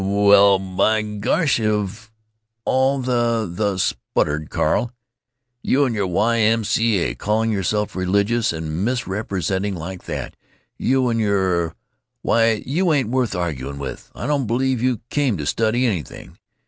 "W w w well by gosh, of all the—the——" spluttered Carl. "You and your Y. M. C. A.—calling yourself religious, and misrepresenting like that—you and your——Why, you ain't worth arguing with. I don't believe you 'came to study' anything.